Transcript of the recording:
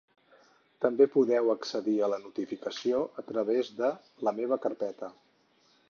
També podeu accedir a la notificació a través de La meva carpeta.